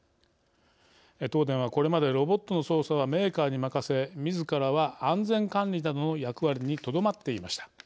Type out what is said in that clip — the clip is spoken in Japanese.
東電はこれまでロボットの操作はメーカーにまかせみずからは安全管理などの役割にとどまっていました。